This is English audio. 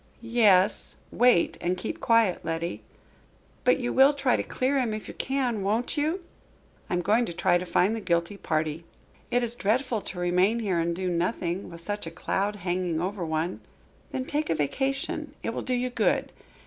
"Yes wait and keep quiet, Letty." "But you will try to clear him, if you can, won't you?" "I am going to try to find the guilty party." "It is dreadful to remain here and do nothing, with such a cloud hanging over one." "Then take a vacation. It will do you good.